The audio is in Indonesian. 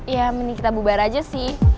ya mending kita bubar aja sih